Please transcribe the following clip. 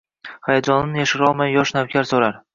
Hayajonin yashirolmay yosh navkar so’rar: